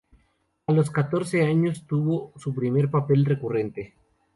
A los catorce años tuvo su primer papel recurrente.